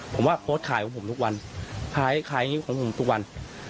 ผมว่าโพสต์ขายของผมทุกวันขายของผมทุกวัน